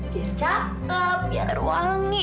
biar cakep biar wangi